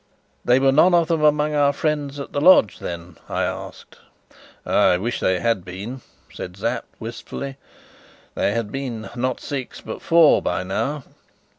"They were none of them among our friends at the lodge, then?" I asked. "I wish they had been," said Sapt wistfully. "They had been, not six, but four, by now."